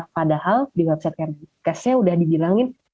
padahal di website kemenkesnya sudah dibilangin